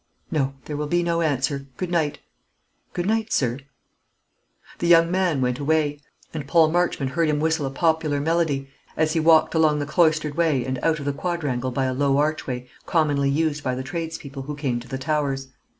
"No; there will be no answer. Good night." "Good night, sir." The young man went away; and Paul Marchmont heard him whistle a popular melody as he walked along the cloistered way and out of the quadrangle by a low archway commonly used by the tradespeople who came to the Towers.